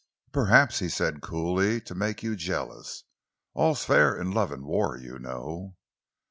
"Perhaps," he said coolly, "to make you jealous. All's fair in love and war, you know."